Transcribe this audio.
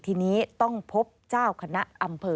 ทีนี้ต้องพบเจ้าคณะอำเภอ